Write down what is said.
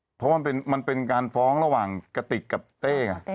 เพราะว่ามันเป็นมันเป็นการฟ้องระหว่างกติกกับเต้กัน